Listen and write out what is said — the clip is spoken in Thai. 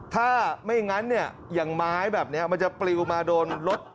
ถ้าไม่งั้นเนี่ยอย่างไม้แบบนี้มันจะปลิวมาโดนรถ